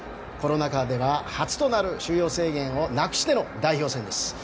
コロナ禍では初となる収容制限をなくしての代表戦です。